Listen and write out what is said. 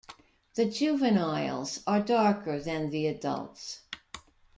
The juveniles are darker than the adults.